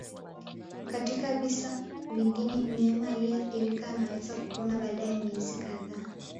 Katika visa vingine mnyama aliyeathirika anaweza kupona baada ya miezi kadhaa